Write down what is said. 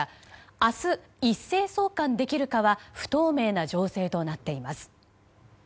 明日、一斉送還できるかは不透明な情勢となっています。